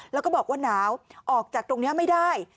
แล้วก็บอกว่าหนาวออกจากตรงนี้ไม่ได้